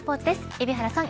海老原さん